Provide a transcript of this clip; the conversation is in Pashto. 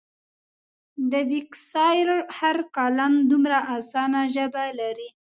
د بېکسیار هر کالم دومره اسانه ژبه لري.